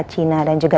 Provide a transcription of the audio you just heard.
otak ini benar banget